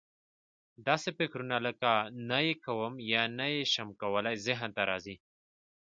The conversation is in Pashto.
داسې فکرونه لکه: نه یې کوم یا نه یې شم کولای ذهن ته راځي.